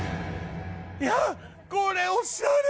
いやっこれおしゃれ！